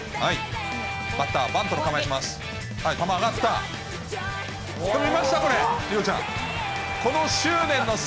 バッター、バントの構えします。